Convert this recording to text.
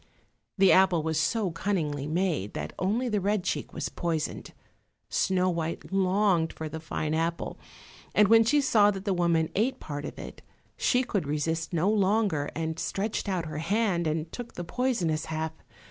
The apple was so cunningly made that only the red cheek was poisoned. Snow white longed for the fine apple, and when she saw that the woman ate part of it she could resist no longer, and stretched out her hand and took the poisonous half.